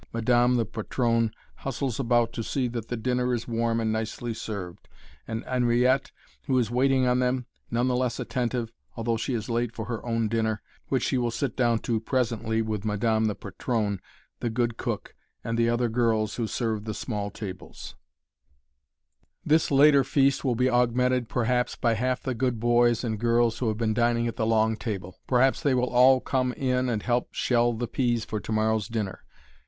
Madame the patronne hustles about to see that the dinner is warm and nicely served; and Henriette, who is waiting on them, none the less attentive, although she is late for her own dinner, which she will sit down to presently with madame the patronne, the good cook, and the other girls who serve the small tables. [Illustration: WHAT IS GOING ON AT THE THEATERS] This later feast will be augmented perhaps by half the good boys and girls who have been dining at the long table. Perhaps they will all come in and help shell the peas for to morrow's dinner.